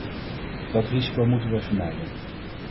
Dat risico moeten we vermijden.